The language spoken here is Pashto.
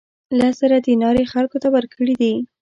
لس زره دینار یې خلکو ته ورکړي دي.